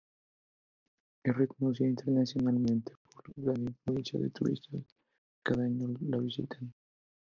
Es reconocida internacionalmente por la gran afluencia de turistas que cada año la visitan.